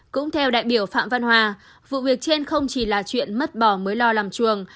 cũng theo đại biểu phạm văn hòa vụ việc trên không chỉ là chuyện mất bò mới lo làm chuồng